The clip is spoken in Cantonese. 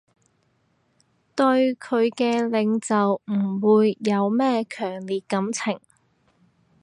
對佢嘅領袖唔會有咩強烈感情